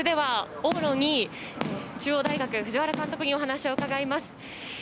往路２位、中央大学・藤原監督にお話しを伺います。